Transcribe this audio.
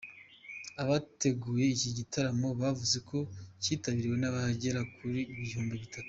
Abateguye iki giterane bavuze ko cyitabiriwe n’abagera ku bihumbi bitatu.